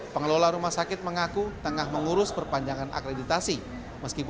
pengelola rumah sakit mengaku tengah mengurus perpanjangan akreditasi